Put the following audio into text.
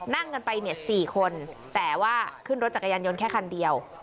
นั่งกันไปเนี่ย๔คนแต่ว่าขึ้นรถจักรยานยนต์แค่คันเดียว